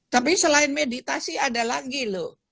tapi selain meditasi ada lagi loh